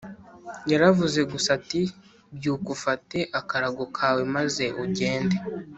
Yaravuze gusa ati, “Byuka ufate akarago kawe maze ugende.”